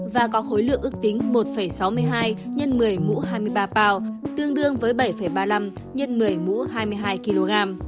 và có khối lượng ước tính một sáu mươi hai x một mươi mũ hai mươi ba pount tương đương với bảy ba mươi năm x một mươi mũ hai mươi hai kg